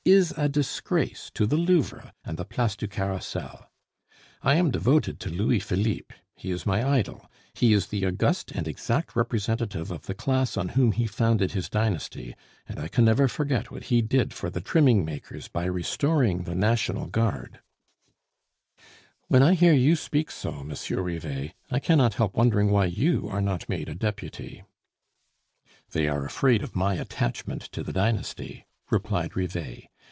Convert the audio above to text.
is a disgrace to the Louvre and the Place du Carrousel. I am devoted to Louis Philippe, he is my idol; he is the august and exact representative of the class on whom he founded his dynasty, and I can never forget what he did for the trimming makers by restoring the National Guard " "When I hear you speak so, Monsieur Rivet, I cannot help wondering why you are not made a deputy." "They are afraid of my attachment to the dynasty," replied Rivet.